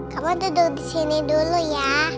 kamu tidur di sini dulu ya